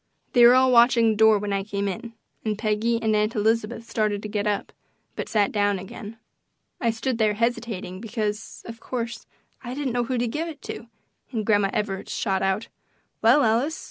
They were all watching the door when I came in, and Peggy and Aunt Elizabeth started to get up, but sat down again. I stood there hesitating because, of course, I didn't know who to give it to, and Grandma Evarts shot out, "Well, Alice!